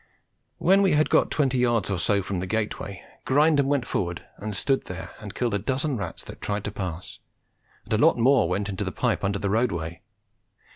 When we had got twenty yards or so from the gateway, Grindum went forward and stood there and killed a dozen rats that tried to pass, and a lot more went into the pipe under the roadway.